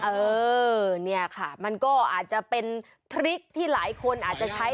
เออเนี่ยค่ะมันก็อาจจะเป็นทริคที่หลายคนอาจจะใช้